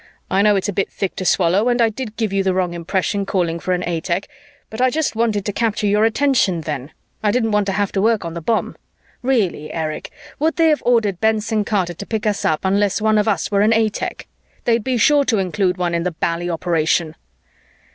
"I know it's a bit thick to swallow and I did give you the wrong impression calling for an A tech, but I just wanted to capture your attention then; I didn't want to have to work on the bomb. Really, Erich, would they have ordered Benson Carter to pick us up unless one of us were an A tech? They'd be sure to include one in the bally operation."